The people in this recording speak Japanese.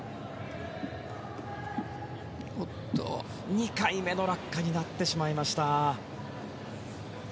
２回目の落下になってしまいました。